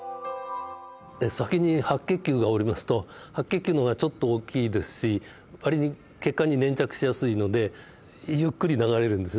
先に白血球がおりますと白血球の方がちょっと大きいですし割に血管に粘着しやすいのでゆっくり流れるんですね。